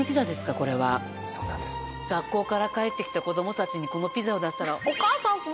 学校から帰ってきた子供たちにこのピザを出したら。